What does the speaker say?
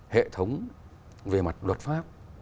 hệ thống về mặt luật pháp